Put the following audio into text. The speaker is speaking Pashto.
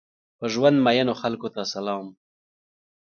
په ژوند مئینو خلکو ته سلام!